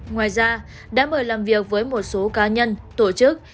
ngoài ra đã mời làm việc với một số cá nhân tổ chức